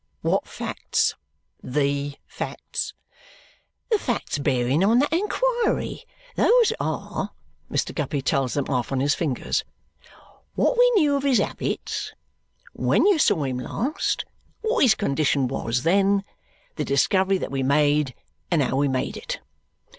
"What facts? THE facts." "The facts bearing on that inquiry. Those are" Mr. Guppy tells them off on his fingers "what we knew of his habits, when you saw him last, what his condition was then, the discovery that we made, and how we made it."